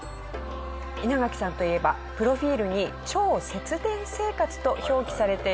稲垣さんといえばプロフィールに超節電生活と表記されているほどの方ですよね。